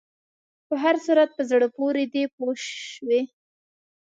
په هر صورت په زړه پورې دی پوه شوې!.